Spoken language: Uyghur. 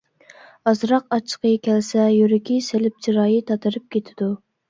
ئازراق ئاچچىقى كەلسە يۈرىكى سېلىپ چىرايى تاتىرىپ كېتىدۇ.